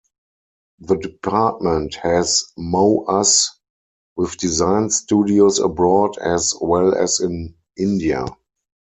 The department has MoUs with design studios abroad as well as in India.